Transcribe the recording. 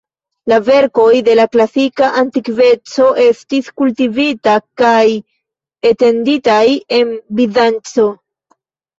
La verkoj de la klasika antikveco estis kultivitaj kaj etenditaj en Bizanco.